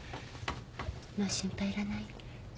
もう心配いらない。